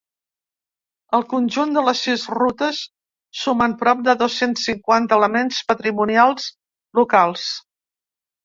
El conjunt de les sis rutes sumen prop de dos-cents cinquanta elements patrimonials locals.